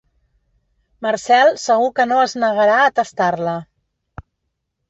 Marcel segur que no es negarà a tastar-la.